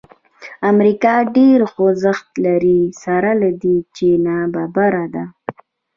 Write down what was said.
امریکا ډېر خوځښت لري سره له دې چې نابرابره ده.